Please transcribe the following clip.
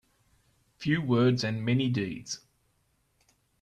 Few words and many deeds.